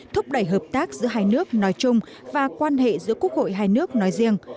thúc đẩy hợp tác giữa hai nước nói chung và quan hệ giữa quốc hội hai nước nói riêng